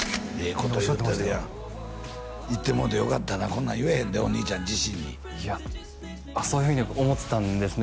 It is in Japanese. こと言うてるやん行ってもろうてよかったなこんなん言えへんでお兄ちゃん自身にそういうふうに思ってたんですね